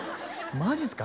マジっすか？